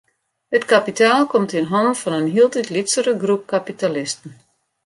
It kapitaal komt yn hannen fan in hieltyd lytsere groep kapitalisten.